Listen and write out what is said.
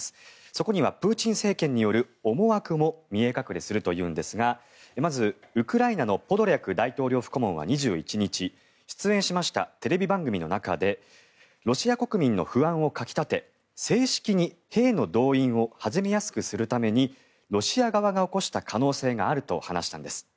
そこにはプーチン政権による思惑も見え隠れするというんですがまず、ウクライナのポドリャク大統領府顧問は２１日、出演しましたテレビ番組の中でロシア国民の不安を掻き立て正式に兵の動員を始めやすくするためにロシア側が起こした可能性があると話したんです。